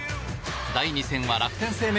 第２戦は楽天生命